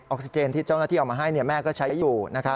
ซิเจนที่เจ้าหน้าที่เอามาให้แม่ก็ใช้อยู่